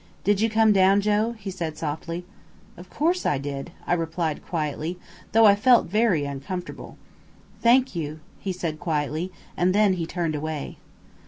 "Did you come down, Joe?" he said softly. "Of course I did," I replied quietly, though I felt very uncomfortable. "Thank you!" he said quietly, and then he turned away.